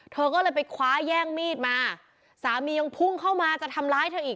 เธอก็เลยไปคว้าแย่งมีดมาสามียังพุ่งเข้ามาจะทำร้ายเธออีก